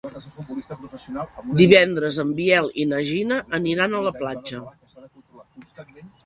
Divendres en Biel i na Gina aniran a la platja.